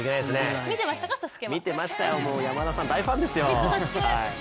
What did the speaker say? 見てましたよ、山田さん、大ファンですよ。